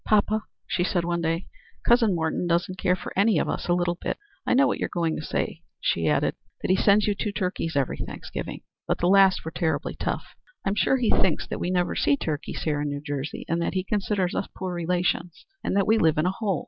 "Poppa," she said one day, "Cousin Morton doesn't care for any of us a little bit. I know what you're going to say," she added; "that he sends you two turkeys every Thanksgiving. The last were terribly tough. I'm sure he thinks that we never see turkeys here in New Jersey, and that he considers us poor relations and that we live in a hole.